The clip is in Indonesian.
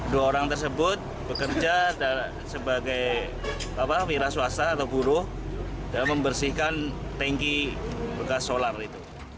dua orang tersebut bekerja sebagai wira swasta atau buruh dan membersihkan tanki bekas solar itu